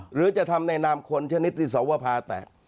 หรือจะทำในนามคนชนิดที่สวภาแตะ